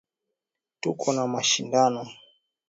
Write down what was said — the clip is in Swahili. Tuko na mashindano.